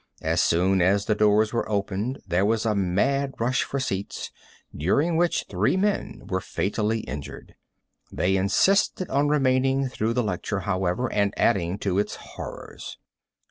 As soon as the doors were opened there was a mad rush for seats, during which three men were fatally injured. They insisted on remaining through the lecture, however, and adding to its horrors.